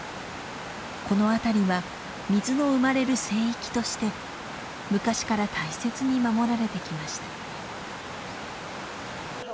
この辺りは水の生まれる聖域として昔から大切に守られてきました。